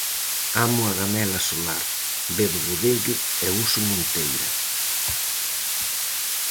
Amo a gamela solar, bebo godello e uso monteira.